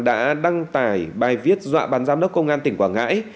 đã đăng tải bài viết dọa bàn giám đốc công an tỉnh quảng ngãi